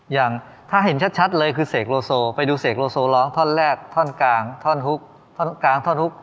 อย่างถ้าเห็นชัดเลยคือเสกโลโซไปดูเสกโลโซร้องท่อนแรกท่อนกลางท่อนฮุกท่อนกลางท่อนฮุก